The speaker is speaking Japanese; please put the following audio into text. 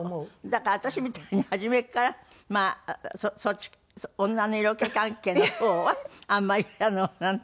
だから私みたいに初めからまあそっち女の色気関係の方はあんまりなんていうの？